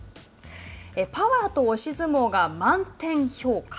パワーと押し相撲が満点評価。